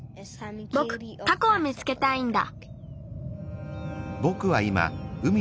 ぼくタコを見つけたいんだ。